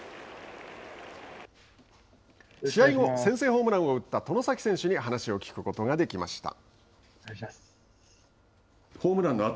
試合後先制ホームランを打った外崎選手に話を聞くことができました。